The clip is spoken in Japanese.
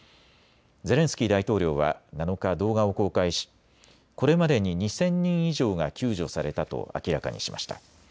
ゼレンスキー大統領は７日、動画を公開しこれまでに２０００人以上が救助されたと明らかにしました。